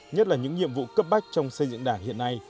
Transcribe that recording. nhất là những nhiệm vụ cấp bách trong xây dựng đảng hiện nay